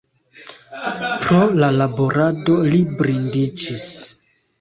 Pro la laborado li blindiĝis.